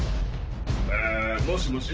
ああもしもし？